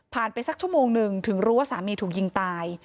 ไปสักชั่วโมงหนึ่งถึงรู้ว่าสามีถูกยิงตาย